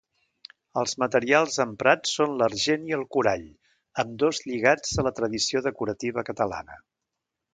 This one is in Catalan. Els materials emprats són l'argent i el corall, ambdós lligats a la tradició decorativa catalana.